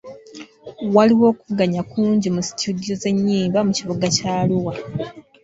Waliwo okuvuganya kungi mu situdiyo z'ennyimba mu kibuga kya Arua.